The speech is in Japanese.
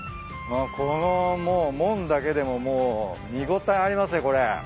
この門だけでももう見応えありますねこれ。